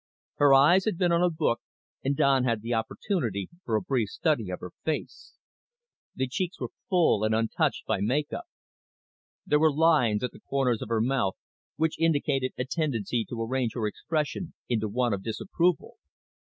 Her eyes had been on a book and Don had the opportunity for a brief study of her face. The cheeks were full and untouched by make up. There were lines at the corners of her mouth which indicated a tendency to arrange her expression into one of disapproval.